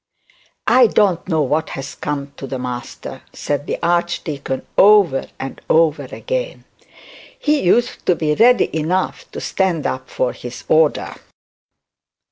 'I don't know what has come to the Master,' said the archdeacon over and over again. 'He used to be ready enough to stand up for his order.'